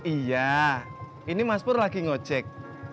iya ini mas pur lagi ngecek